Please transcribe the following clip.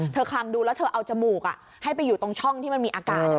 คลำดูแล้วเธอเอาจมูกให้ไปอยู่ตรงช่องที่มันมีอากาศ